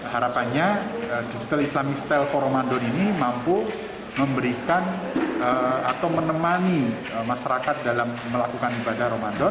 harapannya digital islamic style for ramadan ini mampu memberikan atau menemani masyarakat dalam melakukan ibadah ramadan